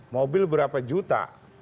mobil berapa juta